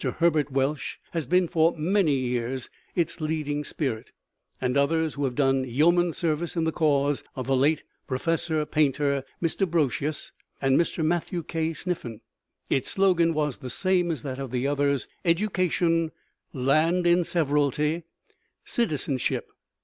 Herbert Welsh has been for many years its leading spirit, and others who have done yeoman's service in the cause are the late Professor Painter, Mr. Brosius, and Mr. Matthew K. Sniffen. Its slogan was the same as that of the others: Education; Land in Severalty; Citizenship!